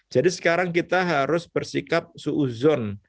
jadi sekarang kita harus bersikap su'uzon